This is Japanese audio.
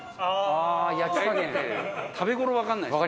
食べ頃わかんないでしょ？